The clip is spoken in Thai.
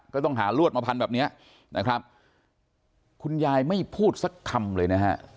ก็ต้องหารวดมาพันแบบเนี้ยนะครับคุณยายไม่พูดสักคำเลยนะฮะ